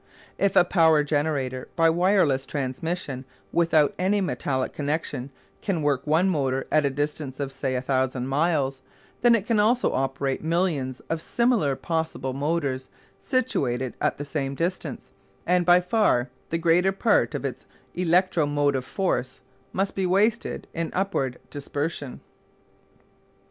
If a power generator by wireless transmission, without any metallic connection, can work one motor at a distance of, say, 1,000 miles, then it can also operate millions of similar possible motors situated at the same distance; and by far the greater part of its electro motive force must be wasted in upward dispersion.